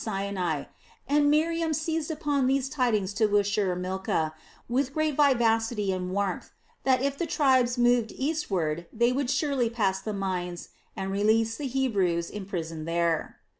Sinai, and Miriam seized upon these tidings to assure Milcah, with great vivacity and warmth, that if the tribes moved eastward they would surely pass the mines and release the Hebrews imprisoned there.